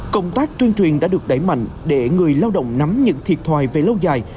công tác tuyên truyền đã được đẩy mạnh để người lao động nắm những thiệt thòi về lâu dài